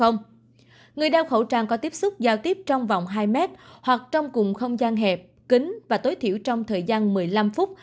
người đeo khẩu trang có tiếp xúc giao tiếp trong vòng hai mét hoặc trong cùng không gian hẹp kính và tối thiểu trong thời gian một mươi năm phút